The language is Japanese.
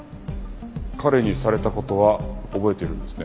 彼にされた事は覚えてるんですね。